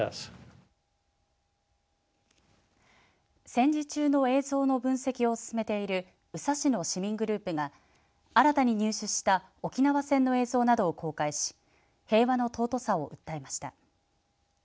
戦時中の映像の分析を進めている宇佐市の市民グループが新たに入手した沖縄戦の映像などを公開し平和の尊さを訴えました。